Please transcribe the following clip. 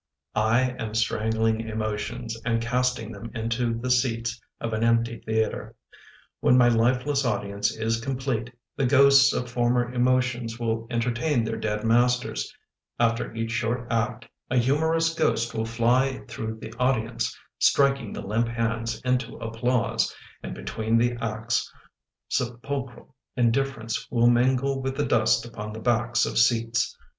I AM strangling emotions And casting them into the seats Of an empty theatre. When my lifeless audience is complete, The ghosts of former emotions Will entertain their dead masters. After each short act A humorous ghost will fly through the audience, Striking the limp hands into applause. And between the acts Sepulchral indifference will mingle With the dust upon the backs of seats.